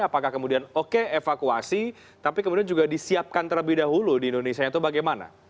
apakah kemudian oke evakuasi tapi kemudian juga disiapkan terlebih dahulu di indonesia atau bagaimana